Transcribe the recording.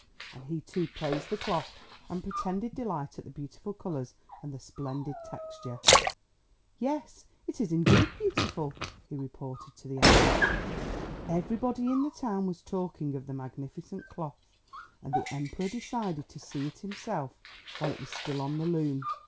And he, too, praised the cloth and pretended delight at the beautiful colours and the splendid texture. "Yes, it is indeed beautiful," he reported to the Emperor. Everybody in the town was talking of the magnificent cloth, and the Emperor decided to see it himself while it was still on the loom.